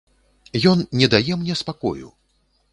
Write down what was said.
Ён не дае мне спакою.